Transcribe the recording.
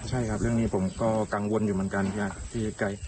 ใช่ครับเรื่องนี้ผมก็กังวลอยู่เหมือนกันที่ไกล